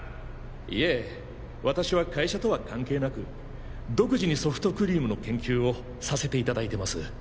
いえ私は会社とは関係なく独自にソフトクリームの研究をさせていただいてます。